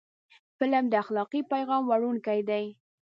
فلم د اخلاقي پیغام وړونکی دی